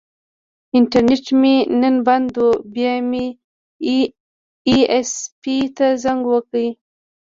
انټرنیټ مې نن بند و، بیا مې ائ ایس پي ته زنګ وکړ.